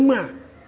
tanya yang banyak